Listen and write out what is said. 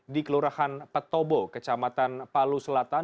di kelurahan petobo kecamatan palu selatan